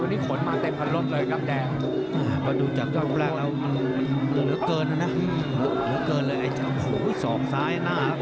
วันนี้ร้อยหกรายปีนอย่างน้อยไฟเวก๑๑๒เลยนะ